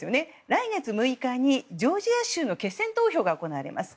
来月６日にジョージア州の決選投票が行われます。